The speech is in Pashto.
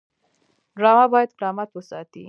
ډرامه باید کرامت وساتي